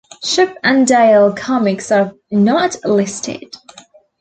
Chip and Dale comics are not listed.